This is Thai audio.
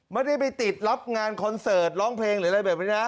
ไม่ได้ไปติดรับงานคอนเสิร์ตร้องเพลงหรืออะไรแบบนี้นะ